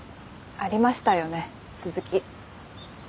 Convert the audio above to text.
ありましたよね続き。